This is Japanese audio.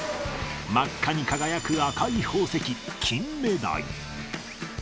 真っ赤に輝く赤い宝石、キンメダイ。